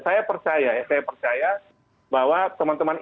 saya percaya saya percaya bahwa teman teman